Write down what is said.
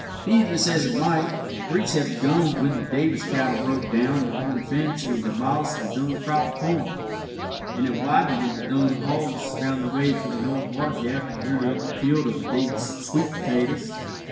Be this as it might, the breach had begun when the Davis cattle broke down the worn fence and demolished the Dun crop of corn, and it widened when the Dun hogs found their way through an old water gap and rooted up a field of the Davis sweet potatoes.